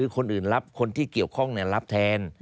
คนอื่นรับคนที่เกี่ยวข้องรับแทน